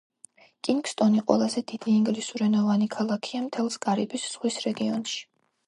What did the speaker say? კინგსტონი ყველაზე დიდი ინგლისურენოვანი ქალაქია მთელს კარიბის ზღვის რეგიონში.